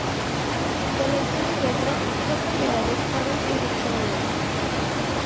Teletoon Retro fue propiedad de Corus Entertainment.